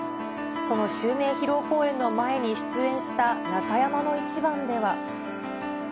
その襲名披露公演の前に出演した中山のイチバンでは。